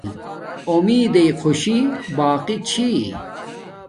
اُمیدݵ خوشی باقی چھی